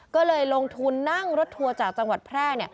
ก็เลยลงทุนนั่งรถทัวร์จากจังหวัดแพร่